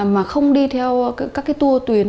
mà không đi theo các cái tour tuyến